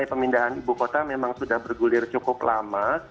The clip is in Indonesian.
pemindahan ibu kota memang sudah bergulir cukup lama